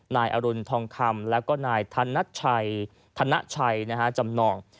นายอรุณทองคำแล้วก็นายธนชัยจำนอง